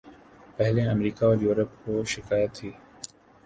پہلے امریکہ اور یورپ کو شکایت تھی۔